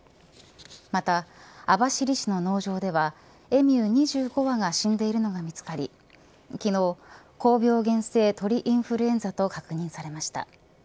また網走市の農場ではエミュー２５羽が死んでいるのが見つかり昨日高病原性鳥インフルエンザと確認されました。